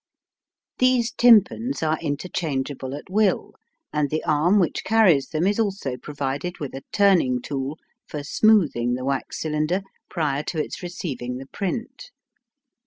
These tympans are interchangeable at will, and the arm which carries them is also provided with a turning tool for smoothing the wax cylinder prior to its receiving the print.